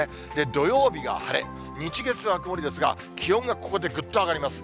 土曜日が晴れ、日、月は曇りですが、気温がここでぐっと上がります。